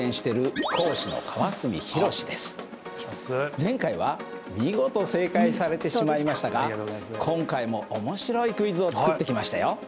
前回は見事正解されてしまいましたが今回も面白いクイズを作ってきましたよ！